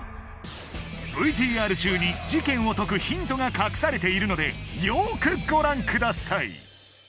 ＶＴＲ中に事件を解くヒントが隠されているのでよくご覧ください